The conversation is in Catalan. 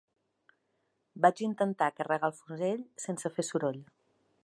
Vaig intentar carregar el fusell sense fer soroll.